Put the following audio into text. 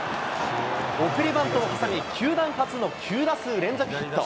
送りバントを挟み、球団初の９打数連続ヒット。